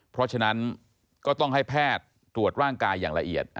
เพราะฉะนั้นก็ต้องให้แพทย์ตรวจร่างกายอย่างละเอียด